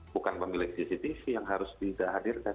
bukan pemilik cctv yang harus dihadirkan